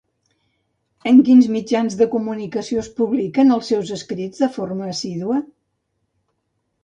En quins mitjans de comunicació es publiquen els seus escrits de forma assídua?